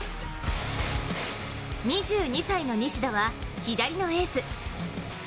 ２２歳の西田は、左のエース。